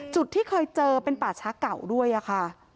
จุดที่เคยเจอเป็นป่าชะเก่าด้วยนะคะ